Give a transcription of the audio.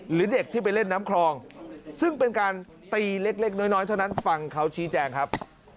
เด็กที่ไปเล่นน้ำคลองซึ่งเป็นการตีเล็กน้อยเท่านั้นฟังเขาชี้แจงครับ